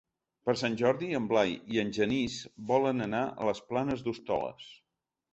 Per Sant Jordi en Blai i en Genís volen anar a les Planes d'Hostoles.